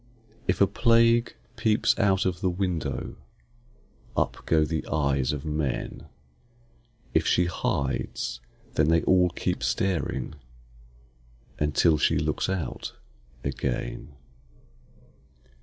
If a Plague peeps out of the window, Up go the eyes of men; If she hides, then they all keep staring Until she looks out again.